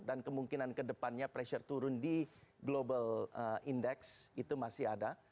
dan kemungkinan kedepannya pressure turun di global index itu masih ada